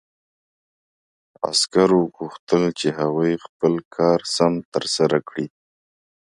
عسکرو غوښتل چې هغوی خپل کار سم ترسره کړي